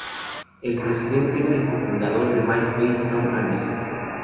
El presidente es el co-fundador de MySpace Tom Anderson.